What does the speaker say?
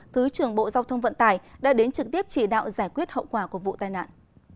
thứ trưởng bộ giao thông vận tải đã đến trực tiếp chỉ đạo giải quyết hậu quả của vụ tai nạn